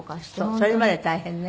それまで大変ね。